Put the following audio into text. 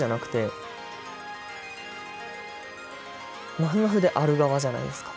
まふまふである側じゃないですか。